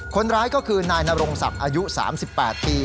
คนร้ายก็คือนายนรงศักดิ์อายุ๓๘ปี